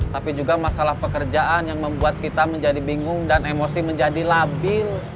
tapi juga masalah pekerjaan yang membuat kita menjadi bingung dan emosi menjadi labil